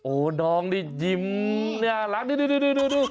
โอ้น้องนี่ยิ้มนี่อารักดู